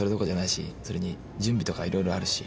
それに準備とかいろいろあるし。